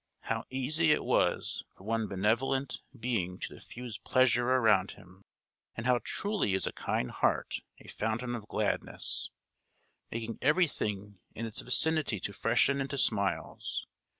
How easy it is for one benevolent being to diffuse pleasure around him; and how truly is a kind heart a fountain of gladness, making everything in its vicinity to freshen into smiles!